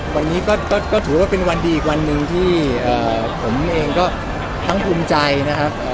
วันนี้ก็ถือว่าเป็นวันดีอีกวันหนึ่งที่ผมเองก็ทั้งภูมิใจนะครับ